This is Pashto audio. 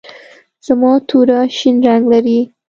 زما توره شین رنګ لري.